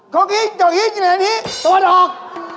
คบหินจกหินจึเรนหินตัวดอก